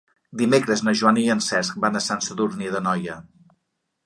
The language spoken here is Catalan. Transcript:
Dimecres na Joana i en Cesc van a Sant Sadurní d'Anoia.